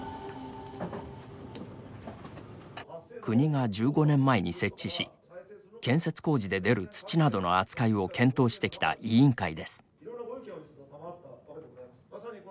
国が１５年前に設置し建設工事で出る土などの扱いを検討してきた委員会です。